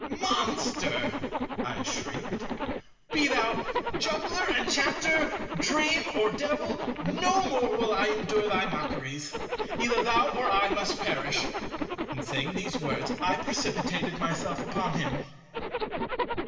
"Monster," I shrieked, "be thou juggler, enchanter, dream, or devil, no more will I endure thy mockeries. Either thou or I must perish." And saying these words I precipitated myself upon him.